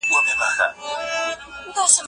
خلګو ته د هغوی حقوق بېرته ورکړئ.